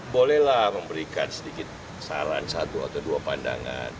bolehlah memberikan sedikit saran satu atau dua pandangan